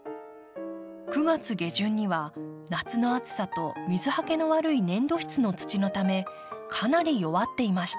９月下旬には夏の暑さと水はけの悪い粘土質の土のためかなり弱っていました。